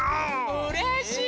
うれしい！